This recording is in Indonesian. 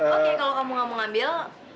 oke kalau kamu gak mau ngambil